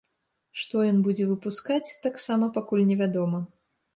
Што ён будзе выпускаць, таксама пакуль не вядома.